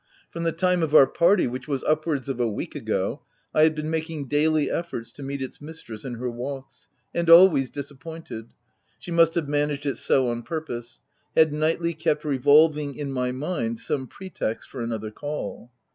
From the time of our party, which was up wards of a week ago, I had been making daily efforts to meet its mistress in her walks ; and, always disappointed (she must have managed it so on purpose,) had nightly kept revolving in my mind some pretext for another call.